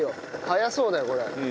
早そうだよこれ。